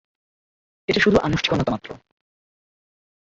এটা শুধু আনুষ্ঠানিকতা মাত্র।